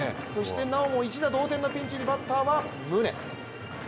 なおも一打同点のピンチにバッターは宗。